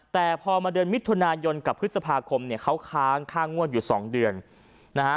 แต่พอมาเดือนมิถุนายนกับพฤษภาคมเนี่ยเขาค้างค่างวดอยู่สองเดือนนะฮะ